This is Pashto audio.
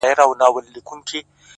ورته نظمونه ليكم’